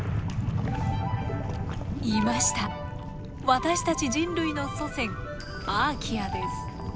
私たち人類の祖先アーキアです。